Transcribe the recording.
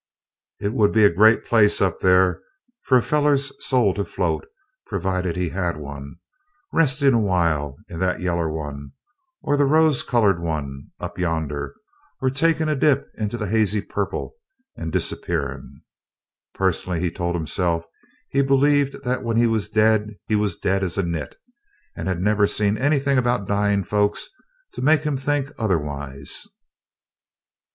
It would be a great place up there for a feller's soul to float provided he had one restin' a while in that yaller one, or the rose colored one up yonder, or takin' a dip into that hazy purple and disappearin'. Personally, he told himself, he believed that when he was dead he was dead as a nit, and he'd never seen anything about dying folks to make him think otherwise.